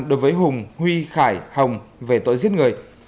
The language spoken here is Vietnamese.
đối với hùng huy khải hồng về tội giết người